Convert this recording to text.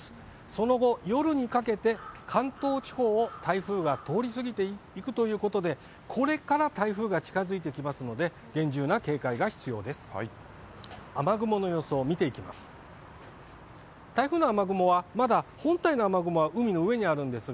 その後、夜にかけて関東地方を台風が通り過ぎていくということで、これから台風が近づいてきますので、厳重な警戒が必要です。